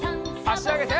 あしあげて。